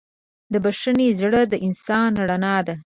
د بښنې زړه د انسان رڼا ده.